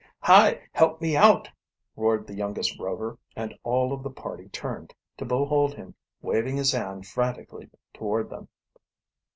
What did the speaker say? "Hi! help me out!" roared the youngest Rover, and all of the party turned, to behold him waving his hand frantically toward them.